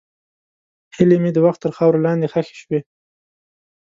هیلې مې د وخت تر خاورو لاندې ښخې شوې.